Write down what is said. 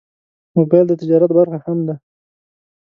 موبایل د تجارت برخه هم ده.